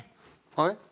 はい？